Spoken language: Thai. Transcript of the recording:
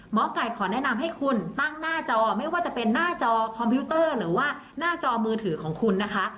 ไก่ขอแนะนำให้คุณตั้งหน้าจอไม่ว่าจะเป็นหน้าจอคอมพิวเตอร์หรือว่าหน้าจอมือถือของคุณนะคะ